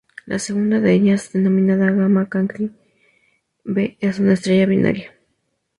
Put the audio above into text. La segunda de ellas, denominada Gamma Cancri B, es una estrella binaria.